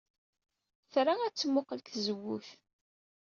Tra ad temmuqqel seg tzewwut.